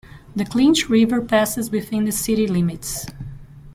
The Clinch River passes within the city limits.